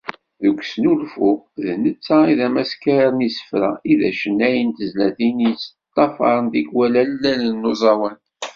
Deg usnulfu, d netta i d ameskar n yisefra, i d acennay n tezlatin i yeṭṭafaren tikwal allalen n uẓawan.